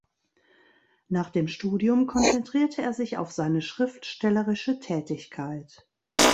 Nach dem Studium konzentrierte er sich auf seine schriftstellerische Tätigkeit.